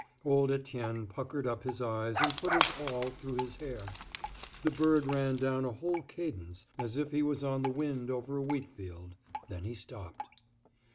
Old Etienne puckered up his eyes and put his awl through his hair. The bird ran down a whole cadence, as if he was on the wind over a wheat field; then he stopped.